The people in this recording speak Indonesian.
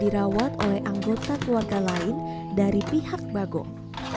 dia dijawat oleh anggota keluarga lain dari pihak bagong